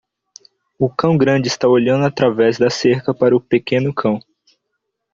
O cão grande está olhando através da cerca para o pequeno cão.